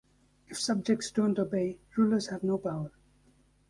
If subjects do not obey, rulers have no power.